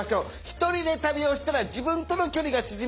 １人で旅をしたら自分との距離が縮まる場所。